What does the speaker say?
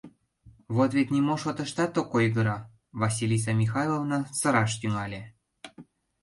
«Вот вет, нимо шотыштат ок ойгыро, — Василиса Михайловна сыраш тӱҥале.